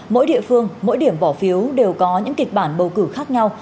mỗi địa phương mỗi điểm bỏ phiếu đều có những kịch bản bầu cử khác nhau